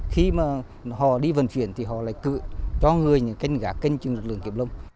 khi mà họ đi vận chuyển thì họ lại cự cho người những kênh gã kênh trên lực lượng kiểm lâm